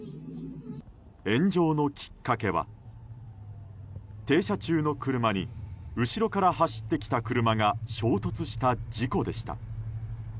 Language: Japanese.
炎上のきっかけは停車中の車に後ろから走ってきた車が衝突した事故でした。